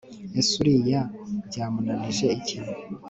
ese uriya byamunanije iki